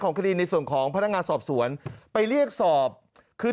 คดีในส่วนของพนักงานสอบสวนไปเรียกสอบคือ